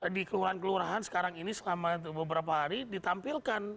di kelurahan kelurahan sekarang ini selama beberapa hari ditampilkan